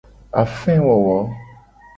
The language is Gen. Afewowo.